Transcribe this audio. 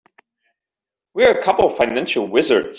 We're a couple of financial wizards.